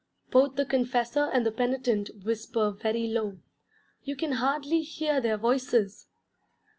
Both the confessor and the penitent whisper very low: you can hardly hear their voices.